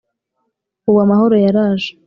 ubu amahoro yaraje: